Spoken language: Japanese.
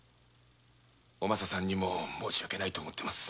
お政さんにも申し訳ないと思っています。